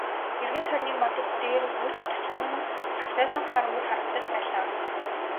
Эргэн тойрны модод дээр өч төчнөөн сагсайсан хар үүр харагдаж байлаа.